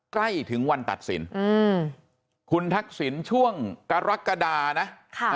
ใกล้ถึงวันตัดสินอืมคุณทักษิณช่วงกรกฎานะค่ะ